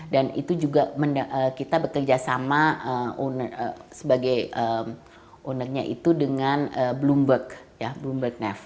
dan itu juga kita bekerjasama sebagai ownernya itu dengan bloomberg bloomberg neff